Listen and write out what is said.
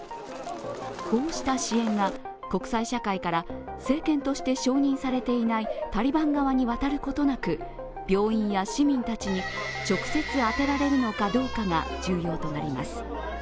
こうした支援が国際社会から政権として承認されていないタリバン側に渡ることなく、病院や市民たちに直接充てられるのかどうかが重要となります。